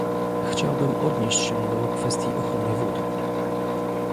Chciałbym odnieść się do kwestii ochrony wód